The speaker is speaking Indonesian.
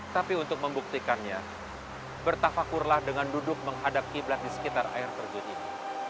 tapi untuk membuktikannya bertakfakurlah dengan duduk menghadap qiblat di sekitar air terjun ini